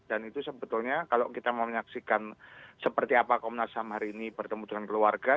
itu sebetulnya kalau kita mau menyaksikan seperti apa komnas ham hari ini bertemu dengan keluarga